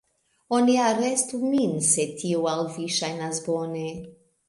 Oni arestu min se tio al vi ŝajnas bone.